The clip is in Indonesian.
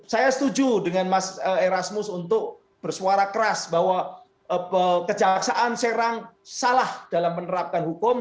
saya setuju dengan mas erasmus untuk bersuara keras bahwa kejaksaan serang salah dalam menerapkan hukum